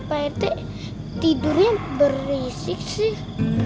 pa kata tit bern berisik sih